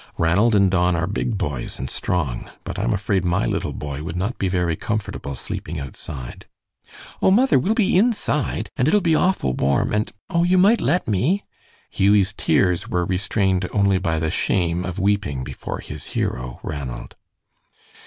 Ranald and Don are big boys and strong, but I'm afraid my little boy would not be very comfortable sleeping outside." "Oh, mother, we'll be inside, and it'll be awful warm and oh, you might let me!" Hughie's tears were restrained only by the shame of weeping before his hero, Ranald.